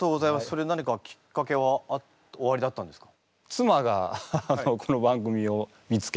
それ何かきっかけはおありだったんですか？